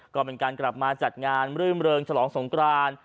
ก็เป็นการกลับมาจัดงานรื่มเริงฉลองสงคราน